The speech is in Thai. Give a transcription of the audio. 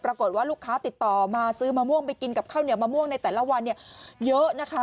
ปรากฏว่าลูกค้าติดต่อมาซื้อมะม่วงไปกินกับข้าวเหนียวมะม่วงในแต่ละวันเนี่ยเยอะนะคะ